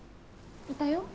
いたよ。